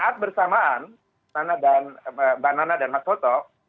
saat bersamaan pak nana dan pak soto